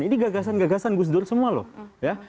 ini gagasan gagasan gus dur semua loh ya